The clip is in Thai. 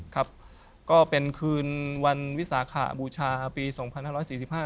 ครับก็เป็นคืนวันวิสาขบูชาปีสองพันห้าร้อยสี่สิบห้า